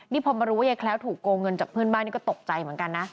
นี่พอมารู้ว่ายายแคล้วถูกโกงเงินจากเพื่อนบ้านนี่ก็ตกใจเหมือนกันนะ